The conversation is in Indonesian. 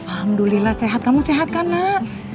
alhamdulillah sehat kamu sehat kan nak